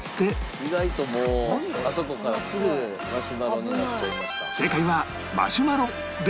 意外ともうあそこからすぐマシュマロになっちゃいました。